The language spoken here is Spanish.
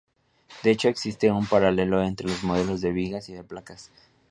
De hecho existe un paralelo entre los modelos de vigas y de placas.